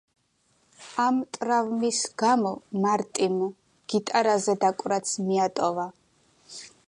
ამ ტრავმის გამო მარტიმ გიტარაზე დაკვრაც მიატოვა.